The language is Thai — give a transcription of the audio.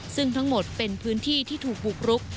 ซึ่งทั้งหมดเป็นพื้นที่ที่ถูกบุกรุก